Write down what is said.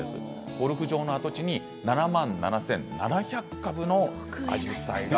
ゴルフ場の跡地に７万７７００株のアジサイが。